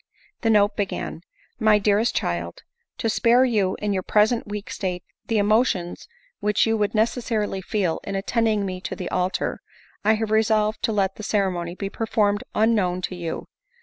The note began :—" My dearest child ! to spare you, in your present weak state, the emotion which you would necessarily feel in attending me to the altar, I have resolved to let the ceremony be performed unknown to you.